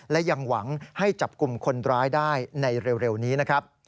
และยังหวังให้จับกลุ่มคนร้ายได้ในเร็วนี้นะครับ